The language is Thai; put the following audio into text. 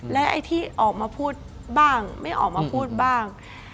และไอ้ที่ออกมาพูดบ้างไม่ออกมาพูดบ้าง